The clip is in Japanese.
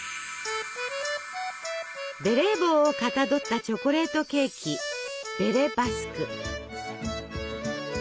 ベレー帽をかたどったチョコレートケーキベレ・バスク。